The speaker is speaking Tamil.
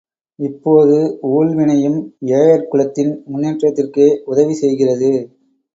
இப்போது ஊழ்வினையும் ஏயர்குலத்தின் முன்னேற்றத்திற்கே உதவி செய்கிறது.